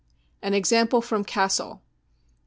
An Example from Cassel. Dr.